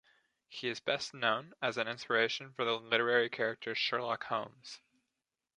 He is best known as an inspiration for the literary character Sherlock Holmes.